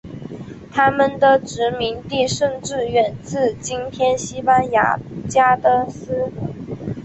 他们的殖民地甚至远至今天西班牙加的斯。